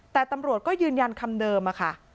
แต่ตำรวจก็ยืนยันคำเดิมค่ะ